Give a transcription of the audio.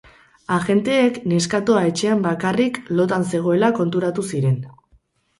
Agenteek neskatoa etxean bakarrik, lotan zegoela konturatu ziren.